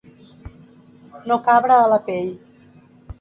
No cabre a la pell.